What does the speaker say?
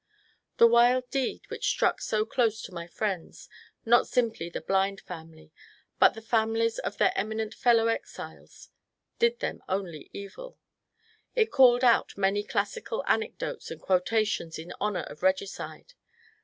The wild deed which struck so close to my friends, not simply the Blind family, but the families of their eminent fel low exiles, did them only evil. It called out many classical anecdotes and quotations in honour of regicide.